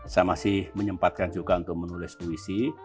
saya masih menyempatkan juga untuk menulis puisi